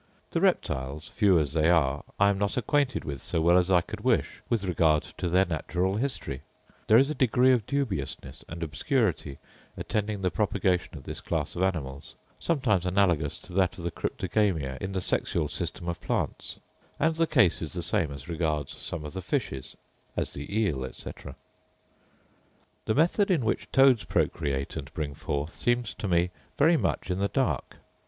The reptiles, few as they are, I am not acquainted with, so well as I could wish, with regard to their natural history. There is a degree of dubiousness and obscurity attending the propagation of this class of animals, sometimes analogous to that of the cryptogamia in the sexual system of plants: and the case is the same as regards some of the fishes: as the eel, etc. The method in which toads procreate and bring forth seems to me very much in the dark.